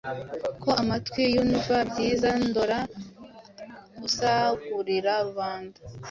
Ko amatwi yunva byiza, ndora usagurira Rubanda